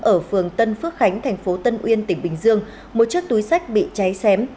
ở phường tân phước khánh thành phố tân uyên tỉnh bình dương một chiếc túi sách bị cháy xém